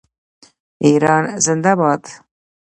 ایران زنده باد.